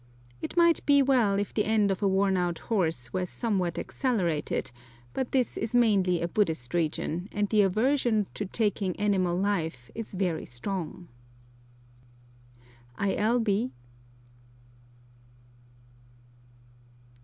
It might be well if the end of a worn out horse were somewhat accelerated, but this is mainly a Buddhist region, and the aversion to taking animal life is very strong. I. L. B.